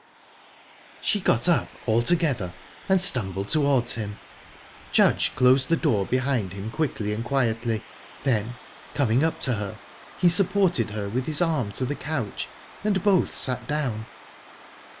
She got up altogether, and stumbled towards him. Judge closed the door behind him quickly and quietly; then, coming up to her, he supported her with his arm to the couch, and both sat down.